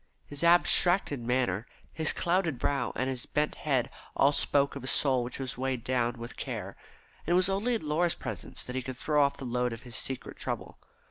His abstracted manner, his clouded brow, and his bent head all spoke of a soul which was weighed down with care, and it was only in Laura's presence that he could throw off the load of his secret trouble.